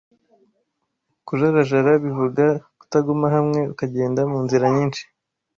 Kujarajara bivuga Kutaguma hamwe ukagenda mu nzira nyinshi